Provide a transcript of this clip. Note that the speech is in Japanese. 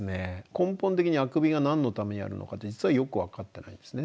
根本的にあくびが何のためにあるのかって実はよく分かってないんですね。